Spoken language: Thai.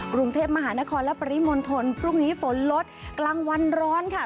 กรุงเทพมหานครและปริมณฑลพรุ่งนี้ฝนลดกลางวันร้อนค่ะ